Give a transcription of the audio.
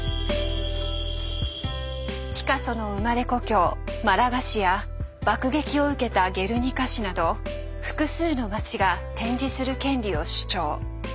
ピカソの生まれ故郷・マラガ市や爆撃を受けたゲルニカ市など複数の町が展示する権利を主張。